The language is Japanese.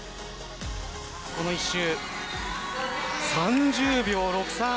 この１周、３０秒６３。